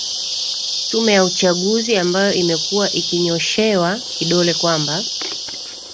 tume ya uchaguzi ambayo imekuwa ikinyoshewa kidole kwamba